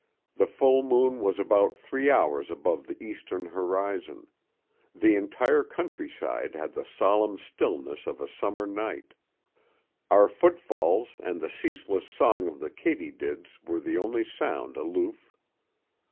The full moon was about three hours above the eastern horizon; the entire countryside had the solemn stillness of a summer night; our footfalls and the ceaseless song of the katydids were the only sound aloof.